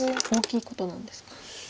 大きいことなんですか。